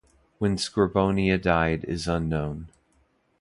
When Scribonia died is unknown.